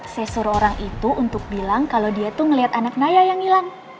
saya suruh orang itu untuk bilang kalau dia tuh ngeliat anak naya yang hilang